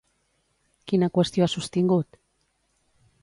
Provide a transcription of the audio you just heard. Quina qüestió ha sostingut?